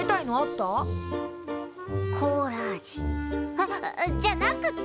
はっじゃなくて！